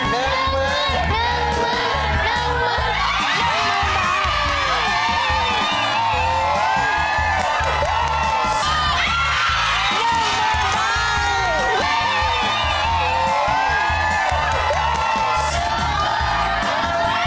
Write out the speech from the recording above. ๑ล้านบาท